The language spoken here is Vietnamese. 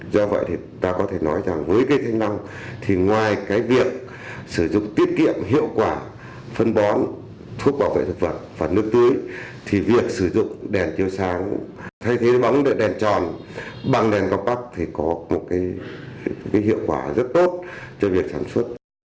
do vậy thì ta có thể nói rằng với cái thanh năng thì ngoài cái việc sử dụng tiết kiệm hiệu quả phân bón thuốc bảo vệ thực vật và nước tưới thì việc sử dụng đèn chiếu sáng thay thế bóng đèn tròn bằng đèn gop thì có một cái hiệu quả rất tốt cho việc sản xuất